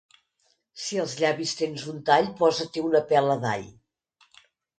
Si als llavis tens un tall, posa-t'hi una pela d'all.